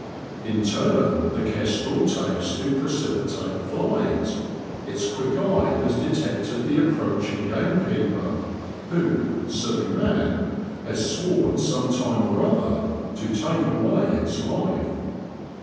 In turn the kestrel takes to precipitate flight; its quick eye has detected the approaching gamekeeper, who, silly man ! has sworn, some time or other, to take away its life.